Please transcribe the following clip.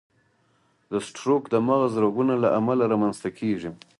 د سټروک د مغز رګونو له امله رامنځته کېږي.